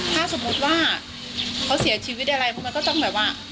ถ้าสมมุติว่าเขาเสียชีวิตอะไรเพราะมันก็ต้องแบบว่า